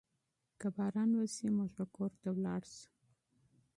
که باران وشي، موږ به کور ته ستانه شو.